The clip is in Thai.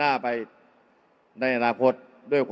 อย่าให้ลุงตู่สู้คนเดียว